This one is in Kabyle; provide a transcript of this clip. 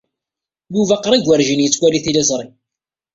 Yuba qrib werjin yettwali tiliẓri.